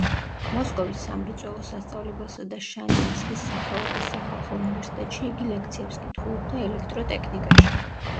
მოსკოვის სამრეწველო სასწავლებელსა და შანიავსკის სახელობის სახალხო უნივერსიტეტში იგი ლექციებს კითხულობდა ელექტროტექნიკაში.